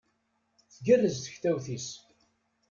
Tgerrez tektawt-is.